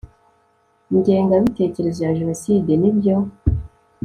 ingengabitekerezo ya jenoside n ibyo